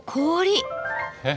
え？